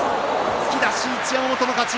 突き出し、一山本の勝ち。